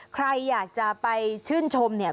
ใครอยากจะไปชื่นชมเนี่ย